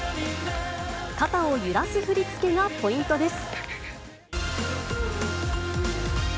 肩を揺らす振り付けがポイントです。